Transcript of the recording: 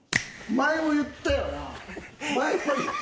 前も言ったよな？